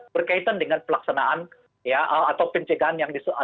berkaitan dengan pelaksanaan ya atau pencegahan yang disesuaikan